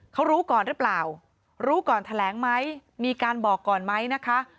เขารู้ก่อนหรือเปล่ารู้ก่อนแถลงไหมมีการบอกก่อนไหมนะคะ